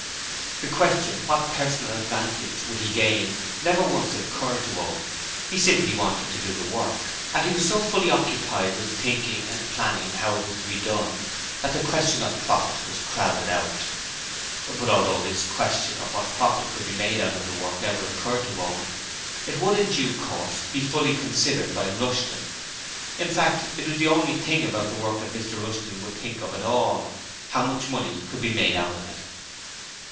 The question, what personal advantage would he gain never once occurred to Owen. He simply wanted to do the work; and he was so fully occupied with thinking and planning how it was to be done that the question of profit was crowded out. But although this question of what profit could be made out of the work never occurred to Owen, it would in due course by fully considered by Mr Rushton. In fact, it was the only thing about the work that Mr Rushton would think of at all: how much money could be made out of it.